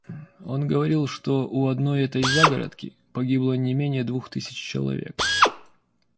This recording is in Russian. Он говорил, что у одной этой загородки погибло не менее двух тысяч человек.